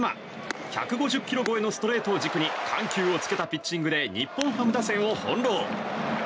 １５０ｋｍ超えのストレートを軸に、緩急をつけたピッチングで日本ハム打線を翻ろう。